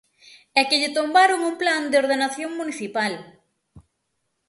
¡É que lle tombaron un plan de ordenación municipal!